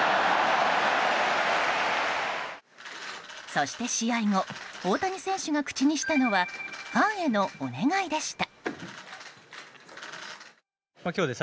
そして試合後大谷選手が口にしたのはファンへのお願いでした。